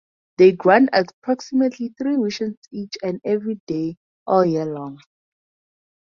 They grant approximately three wishes each and every day, all year long.